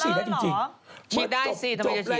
ฉีดได้สิทำไมจะฉีดไม่ได้เรามั้ย